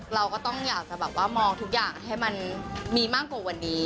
เราก็ต้องอยากจะแบบว่ามองทุกอย่างให้มันมีมากกว่าวันนี้